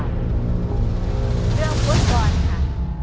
เรื่องฟุตบอลค่ะ